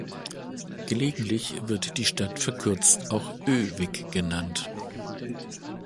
Gelegentlich wird die Stadt verkürzt auch "Ö-vik" genannt.